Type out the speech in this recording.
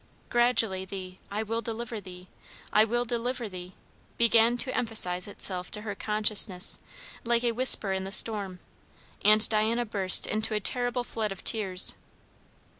Gradually the "I will deliver thee" "I will deliver thee" began to emphasize itself to her consciousness, like a whisper in the storm, and Diana burst into a terrible flood of tears.